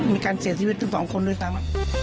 มีการเสียชีวิตทั้งสองคนด้วยซ้ำ